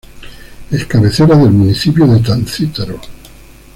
Es cabecera del municipio de Tancítaro.